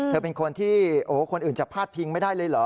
เธอเป็นคนที่โอ้คนอื่นจะพาดพิงไม่ได้เลยเหรอ